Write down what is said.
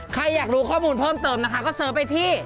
ใครอยากรู้ข้อมูลเพิ่มเติมนะคะก็เสิร์ฟไปที่